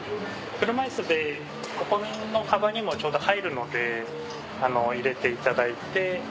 車いすでここの幅にもちょうど入るので入れていただいて。